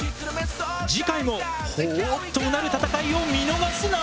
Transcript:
次回もほぉとうなる戦いを見逃すな！